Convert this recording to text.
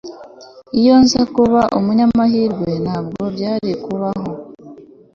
Iyo nza kuba umunyamahirwe ntabwo byari kubaho